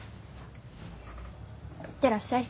行ってらっしゃい。